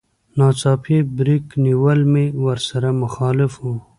ناڅاپي بريک نيول مې ورسره مخالف و.